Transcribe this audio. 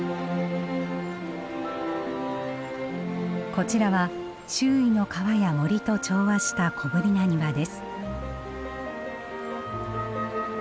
こちらは周囲の川や森と調和した小ぶりな庭です。